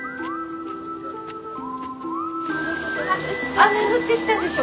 雨降ってきたでしょ。